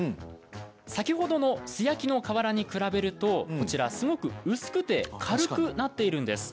先ほどの素焼きの瓦に比べるとすごく薄くて軽くなっているんです。